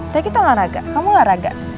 tapi kita olahraga kamu olahraga